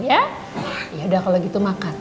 yaudah kalau gitu mama